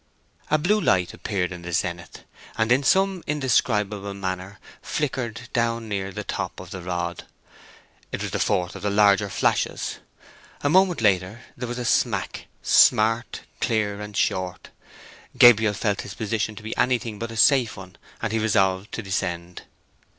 A blue light appeared in the zenith, and in some indescribable manner flickered down near the top of the rod. It was the fourth of the larger flashes. A moment later and there was a smack—smart, clear, and short. Gabriel felt his position to be anything but a safe one, and he resolved to descend.